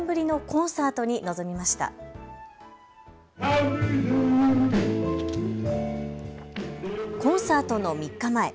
コンサートの３日前。